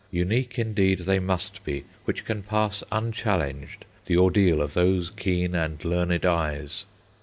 Unique indeed they must be which can pass unchallenged the ordeal of those keen and learned eyes.